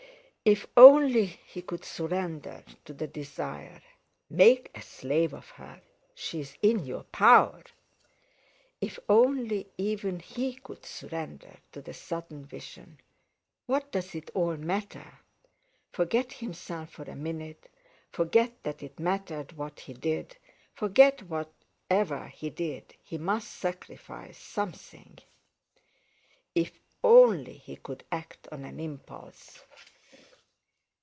If only he could surrender to the desire: "Make a slave of her—she is in your power!" If only even he could surrender to the sudden vision: "What does it all matter?" Forget himself for a minute, forget that it mattered what he did, forget that whatever he did he must sacrifice something. If only he could act on an impulse!